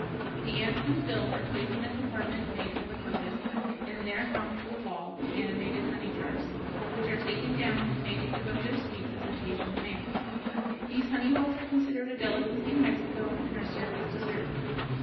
The ants when filled are placed in a compartment made for the purpose, and there hung to the wall, animated honey jars, which are taken down and made to give up their sweets as occasion demands. These honey balls are considered a delicacy in Mexico, and are served as dessert.